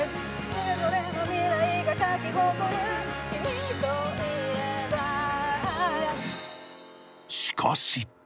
それぞれの未来が咲き誇る君といればしかし